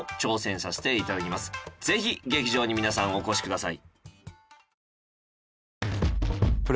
ぜひ劇場に皆さんお越しください。